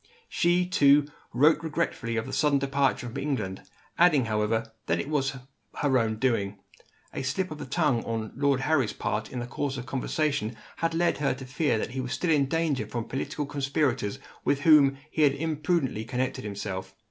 She, too, wrote regretfully of the sudden departure from England; adding, however, that it was her own doing. A slip of the tongue, on Lord Harry's part, in the course of conversation, had led her to fear that he was still in danger from political conspirators with whom he had imprudently connected himself.